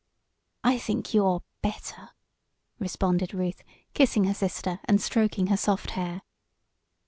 "I think you're better!" responded Ruth, kissing her sister, and stroking her soft hair.